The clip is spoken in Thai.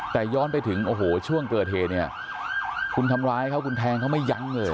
แต่ย้อนไปถึงโอ้โหช่วงเกิดเหตุเนี่ยคุณทำร้ายเขาคุณแทงเขาไม่ยั้งเลย